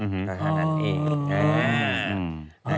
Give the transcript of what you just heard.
อื้อหืออื้อหือ